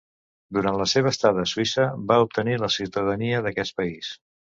Durant la seva estada a Suïssa, va obtenir la ciutadania d'aquest país.